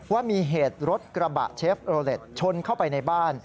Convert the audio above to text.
ว่ามีเหตุรถกระบะเชฟโรเล็ตชนเข้าไปในบ้าน